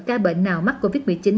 ca bệnh nào mắc covid một mươi chín